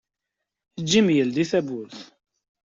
Jim yeldi tawwurt.